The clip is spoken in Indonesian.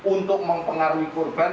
untuk mempengaruhi korban